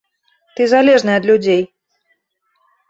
Ты залежны ад людзей.